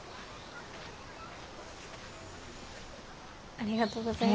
ありがとうございます。